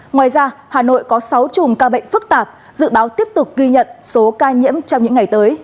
ngoài ra hà nội có sáu chùm ca bệnh phức tạp dự báo tiếp tục ghi nhận số ca nhiễm trong những ngày tới